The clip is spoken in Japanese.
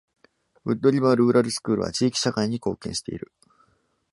ウッドリバー・ルーラルスクールは地域社会に貢献している。